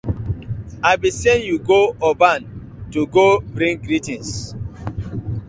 I been sen yu go Oban to go bring greetins.